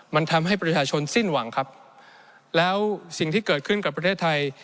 มันทำให้ประชาชนสิ้นหวังครับแล้วสิ่งที่เกิดขึ้นกับประเทศไทย